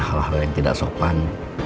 hal hal yang tidak sopan